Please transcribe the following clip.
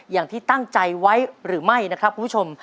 อย่างที่ตั้งใจไว้หรือไม่นะครับคุณผู้ชม